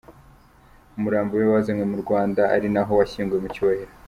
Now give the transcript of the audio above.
Umurambo we wazanywe mu Rwanda, ari na ho washyinguwe mu cyubahiro.